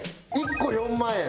１個４万円！